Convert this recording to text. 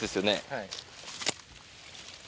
はい。